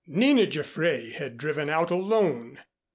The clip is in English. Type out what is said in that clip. Nina Jaffray had driven out alone.